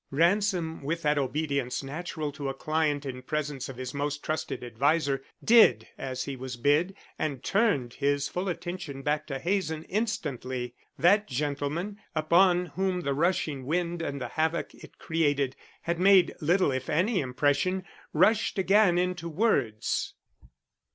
Ransom, with that obedience natural to a client in presence of his most trusted adviser, did as he was bid, and turned his full attention back to Hazen instantly. That gentleman, upon whom the rushing wind and the havoc it created had made little if any impression, rushed again into words.